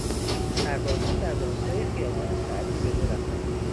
سربازان در راستای خیابان سعدی رژه رفتند.